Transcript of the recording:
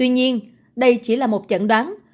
nhưng đây chỉ là một chẩn đoán